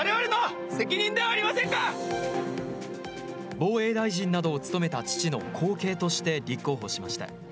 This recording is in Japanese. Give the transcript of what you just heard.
防衛大臣などを務めた父の後継として立候補しました。